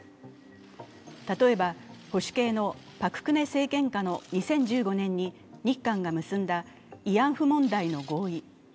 例えば保守系のパク・クネ政権下の２０１５年に日韓が結んだ慰安婦問題の合意。